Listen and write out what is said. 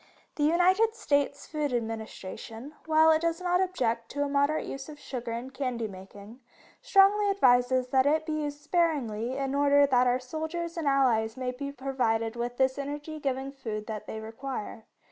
The United States Food Administration, while it does not object to a moderate use of sugar in candy making, strongly advises that it be used sparingly in order that our soldiers and allies may be provided with this energy giving food that they require.